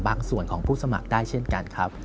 ส่วนของผู้สมัครได้เช่นกันครับ